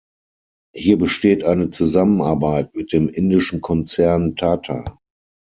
Hier besteht eine Zusammenarbeit mit dem indischen Konzern Tata.